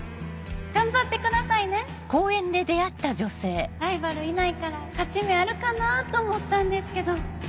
頑張ってくださいねライバルいないから勝ち目あるかなと思ったんですけど